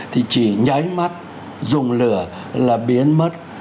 thì chỉ nháy mắt dùng lửa là biến mất